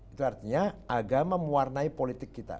itu artinya agama mewarnai politik kita